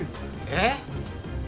えっ？